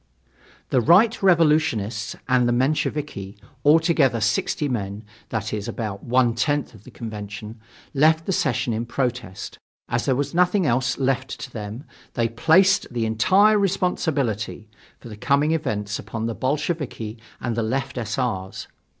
The Right Revolutionists and the Mensheviki, altogether sixty men, that is, about one tenth of the convention, left the session in protest. As there was nothing else left to' them, they "placed the entire responsibility" for the coming events upon the Bolsheviki and Left S. R.'s.